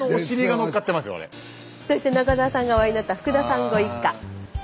そして中澤さんがお会いになった福田さんご一家。